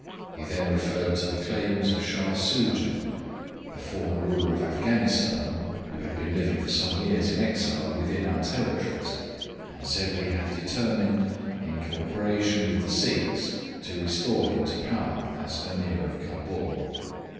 He then referred to the claims of Shah Soojah, a former ruler of Afghanistan (who had been living for some years in exile within our territories) and said we had determined, in co operation with the Sikhs, to restore him to power as Ameer of Cabul.